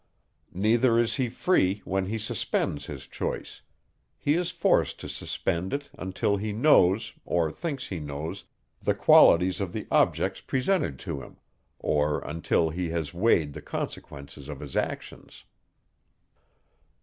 Neither is he free, when he suspends his choice; he is forced to suspend it until he knows, or thinks he knows, the qualities of the objects presented to him, or, until he has weighed the consequences of his actions.